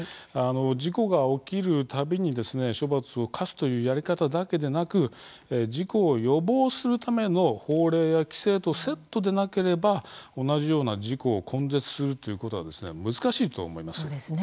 事故が起きる度に処罰を科すやり方だけでなく事故を予防するための法令や規制とセットでなければ同じような事故を根絶するということは難しいと思います。